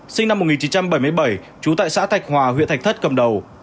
sinh năm một nghìn chín trăm bảy mươi bảy trú tại xã thạch hòa huyện thạch thất cầm đầu